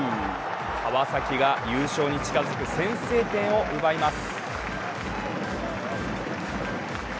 川崎が優勝に近づく先制点を奪います。